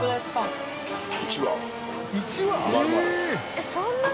えっそんなに？